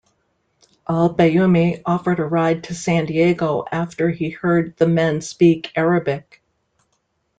Al-Bayoumi offered a ride to San Diego after he heard the men speak Arabic.